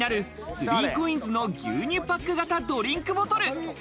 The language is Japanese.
３ＣＯＩＮＳの牛乳パック型ドリンクボトル。